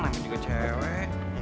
nangis juga cewek